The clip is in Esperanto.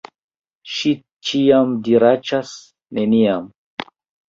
Ŝi ĉiam diraĉas, "Neniam!"